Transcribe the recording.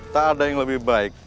tak ada yang lebih baik